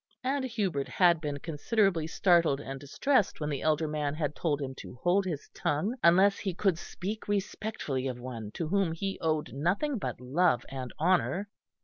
And Hubert had been considerably startled and distressed when the elder man had told him to hold his tongue unless he could speak respectfully of one to whom he owed nothing but love and honour.